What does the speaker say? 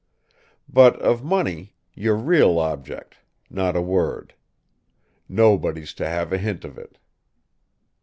But of money, your real object, not a word! Nobody's to have a hint of it."